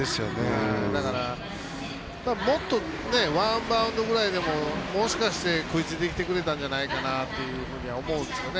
だから、もっとワンバウンドぐらいでももしかして食いついてきてくれたんじゃないかと思うんですけどね。